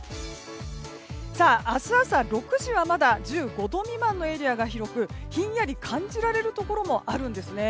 明日朝、６時はまだ１５度未満のエリアが広くひんやり感じられるところもあるんですね。